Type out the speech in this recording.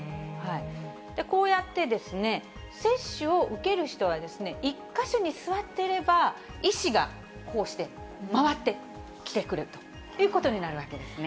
こうやって接種を受ける人は、１か所に座っていれば、医師がこうして回ってきてくれるということになるわけですね。